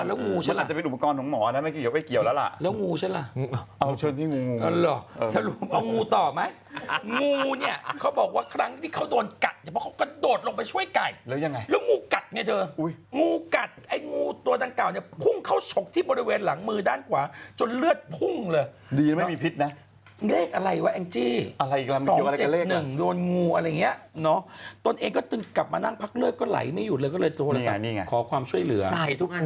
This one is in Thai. แล้วงูฉันล่ะเอาเชิญที่งูงูงูงูงูงูงูงูงูงูงูงูงูงูงูงูงูงูงูงูงูงูงูงูงูงูงูงูงูงูงูงูงูงูงูงูงูงูงูงูงูงูงูงูงูงูงูงูงูงูงูงูงูงูงูงูงูงูงูงูงูงูงูงูงูงูง